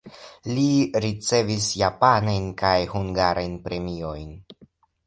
Li ricevis japanajn kaj hungarajn premiojn.